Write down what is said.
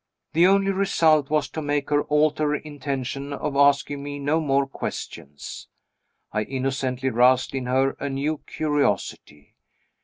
The only result was to make her alter her intention of asking me no more questions. I innocently roused in her a new curiosity.